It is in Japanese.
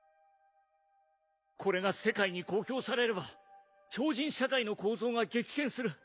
これが世界に公表されれば超人社会の構造が激変する。